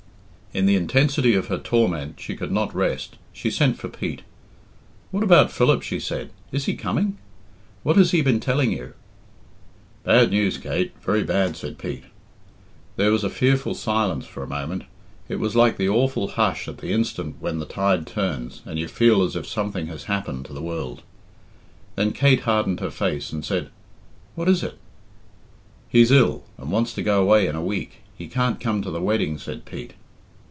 In the intensity of her torment she could not rest. She sent for Pete. "What about Philip?" she said. "Is he coming? What has he been telling you?" "Bad news, Kate very bad," said Pete. There was a fearful silence for a moment. It was like the awful hush at the instant when the tide turns, and you feel as if something has happened to the world. Then Kate hardened her face and said, "What is it?" "He's ill, and wants to go away in a week. He can't come to the wedding,'' said Pete.